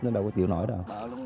nó đâu có chịu nổi đâu